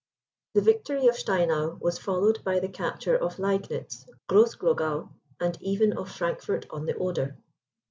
The victory of Steinau was followed by the capture of Liegnitz, Grossglogau, and even of Frankfort on the Oder.